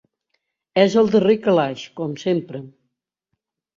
És al darrer calaix, com sempre.